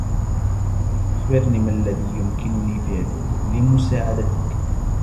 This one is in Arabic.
أخبرني ما الذي يمكنني فعله لمساعدتك.